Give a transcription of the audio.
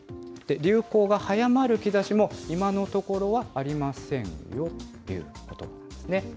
流行が早まる兆しも、今のところはありませんよということですね。